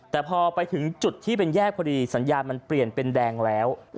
แต่พอไปถึงจุดที่เป็นแยกพอดีสัญญาณมันเปลี่ยนเป็นแดงแล้ว